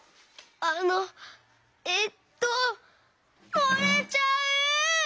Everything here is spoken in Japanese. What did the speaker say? あのえっともれちゃう！